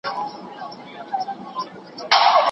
مځكه چاك سوه پكښي ورك د ده پوستين سو